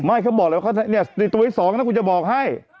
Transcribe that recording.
ไม่เขาบอกเลยว่านี่ตัวอีกสองนะกูจะบอกให้